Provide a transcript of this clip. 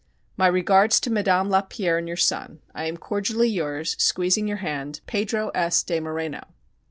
My regards to Madame Lapierre and your son. I am cordially yours, squeezing your hand. PEDRO S. DE MORENO.